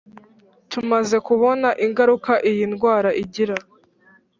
Tumaze kubona ingaruka iyi ndwara igira